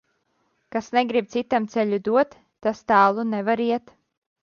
Kas negrib citam ceļu dot, tas tālu nevar iet.